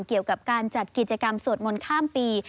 เกี่ยวกับการจัดกิจกรรมสวดมนต์ข้ามปี